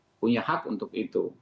pak jokowi punya hak untuk itu